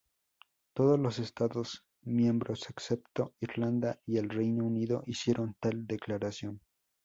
Todos los Estados miembros, excepto Irlanda y el Reino Unido, hicieron tal declaración.